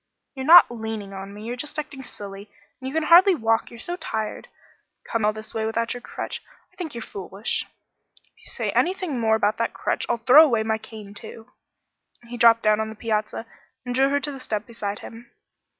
"You're not leaning on me. You're just acting silly, and you can hardly walk, you're so tired! Coming all this way without your crutch. I think you're foolish." "If you say anything more about that crutch, I'll throw away my cane too." He dropped down on the piazza and drew her to the step beside him.